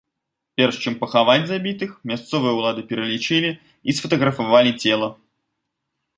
Перш чым пахаваць забітых, мясцовыя ўлады пералічылі і сфатаграфавалі цела.